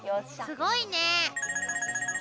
すごいね。